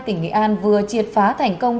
tỉnh nghệ an vừa triệt phá thành công